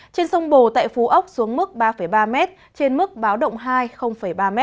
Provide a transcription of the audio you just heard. trên sông bồ tại phú ốc xuống mức ba ba m trên mức báo động hai ba m